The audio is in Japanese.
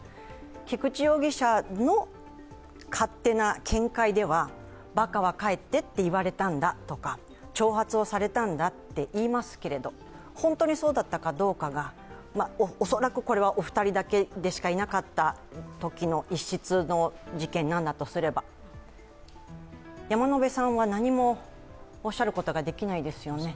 菊池容疑者の勝手な見解では、「バカは帰って」と言われたんだとか挑発をされたんだって言いますけど、本当にそうだったかは恐らくこれはお二人だけしかいなかったときの一室の事件なんだとすれば山野辺さんは何もおっしゃることができないですよね。